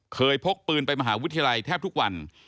พกปืนไปมหาวิทยาลัยแทบทุกวัน